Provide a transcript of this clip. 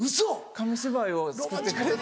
紙芝居を作ってくれて。